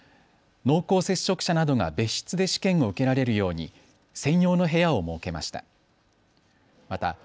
濃厚接触者などが別室で試験を受けられるように専用の部屋を設けました。